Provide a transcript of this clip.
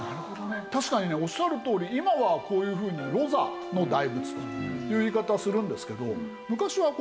確かにねおっしゃるとおり今はこういうふうに「露座の大仏」という言い方をするんですけど。